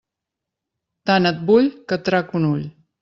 Tant et vull, que et trac un ull.